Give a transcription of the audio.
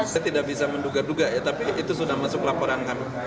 saya tidak bisa menduga duga ya tapi itu sudah masuk laporan kami